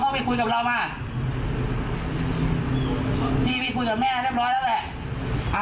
พี่ไปคุยกับแม่เรียบร้อยแล้วแหละ